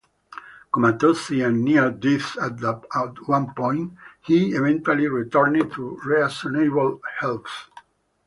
Comatose and near death at one point, he eventually returned to reasonable health.